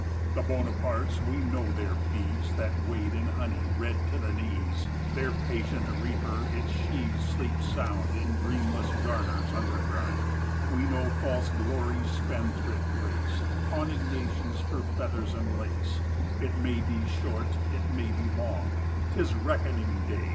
The Bonapartes, we know their bees That wade in honey red to the knees: Their patent reaper, its sheaves sleep sound In dreamless garners underground: 40 We know false glory's spendthrift race Pawning nations for feathers and lace; It may be short, it may be long, "'Tis reckoning day!"